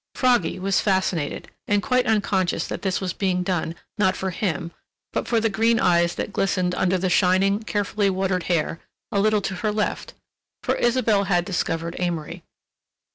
Froggy was fascinated and quite unconscious that this was being done, not for him, but for the green eyes that glistened under the shining carefully watered hair, a little to her left, for Isabelle had discovered Amory.